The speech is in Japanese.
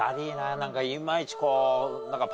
何かいまいちこう。